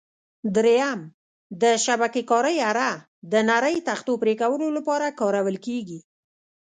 درېیم: د شبکې کارۍ اره: د نرۍ تختو پرېکولو لپاره کارول کېږي.